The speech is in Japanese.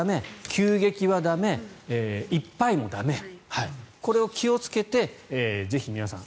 急激は駄目、いっぱいも駄目これを気をつけてぜひ皆さん